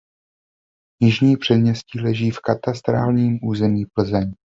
Jižní Předměstí leží v katastrálním území Plzeň.